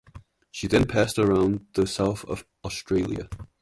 She then passed around the south of Australia.